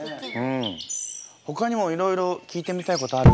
ほかにもいろいろ聞いてみたいことある？